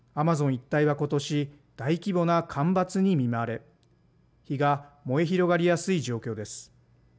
一帯はことし、大規模な干ばつに見舞われ、火が燃え広がりやすい状況です。